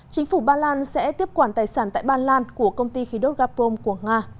chính phủ ba lan sẽ tiếp quản tài sản tại ba lan của công ty khí đốt gaprom của nga